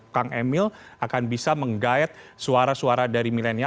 kang emil akan bisa menggayat suara suara dari milenial